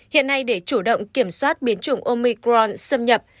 hiện nay để chủ động kiểm soát biến chủng omicron xâm nhập